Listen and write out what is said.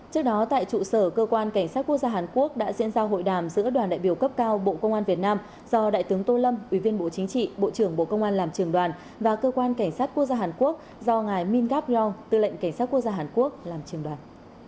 trước đó tại trụ sở cơ quan cảnh sát quốc gia hàn quốc đã diễn ra hội đàm giữa đoàn đại biểu cấp cao bộ công an việt nam do đại tướng tô lâm ủy viên bộ chính trị bộ trưởng bộ công an làm trường đoàn và cơ quan cảnh sát quốc gia hàn quốc do ngài mingav glow tư lệnh cảnh sát quốc gia hàn quốc làm trường đoàn